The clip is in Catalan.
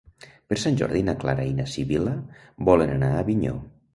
Per Sant Jordi na Clara i na Sibil·la volen anar a Avinyó.